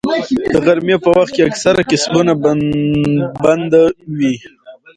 د غرمې په وخت کې اکثره کسبونه بنده وي